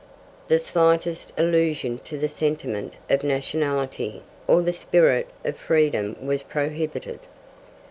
The slightest allusion to the sentiment of nationality or the spirit of freedom was prohibited.